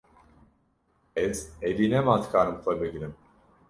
Ez êdî nema dikarim xwe bigirim.